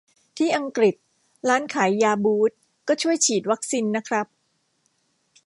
ที่อังกฤษ ร้านขายยาบูตส์ก็ช่วยฉีดวัคซีนนะครับ